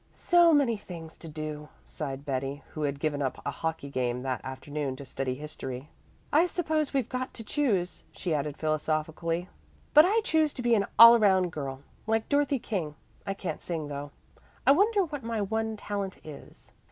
"So many things to do," sighed Betty, who had given up a hockey game that afternoon to study history. "I suppose we've got to choose," she added philosophically. "But I choose to be an all around girl, like Dorothy King. I can't sing though. I wonder what my one talent is.